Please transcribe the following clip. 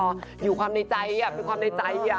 เป็นความในใจอ่ะเป็นความในใจอ่ะ